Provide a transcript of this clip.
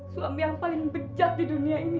suami yang paling bejat di dunia ini